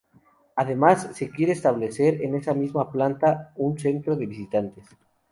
Además, se quiere establecer en esa misma planta un centro de visitantes.